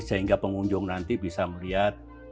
sehingga pengunjung nanti bisa melihat